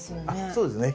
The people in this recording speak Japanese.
そうですね。